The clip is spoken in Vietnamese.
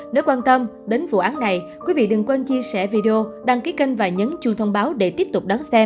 nếu quan tâm đến vụ án này quý vị đừng quên chia sẻ video đăng ký kênh và nhấn chuông thông báo để tiếp tục